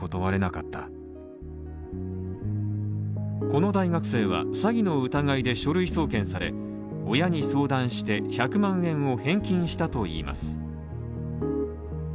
この大学生は詐欺の疑いで書類送検され、親に相談して１００万円を返金したといいます。